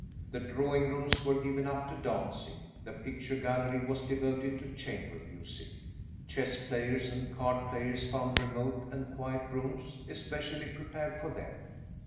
The drawing rooms were given up to dancing; the picture gallery was devoted to chamber music. Chess players and card players found remote and quiet rooms especially prepared for them.